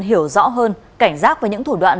hiểu rõ hơn cảnh giác về những thủ đoạn